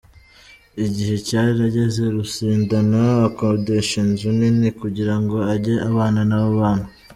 Igihe cyarageze Ruzindana akodesha inzu nini kugira ngo ajye abana n’abo bana.